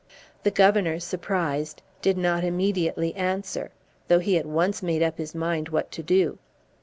The Governor, surprised, did not immediately answer; though he at once made up his mind what to do.